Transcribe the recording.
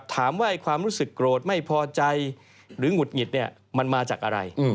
ถามว่าความรู้สึกโกรธไม่พอใจหรือหงุดหงิดเนี่ยมันมาจากอะไร